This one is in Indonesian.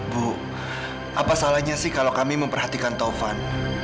bu apa salahnya sih kalau kami memperhatikan taufan